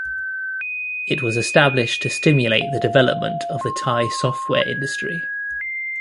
It was established to stimulate the development of the Thai software industry.